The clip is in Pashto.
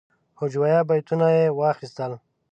هجویه بیتونه یې واخیستل.